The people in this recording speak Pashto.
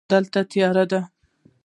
دلته تیاره ده.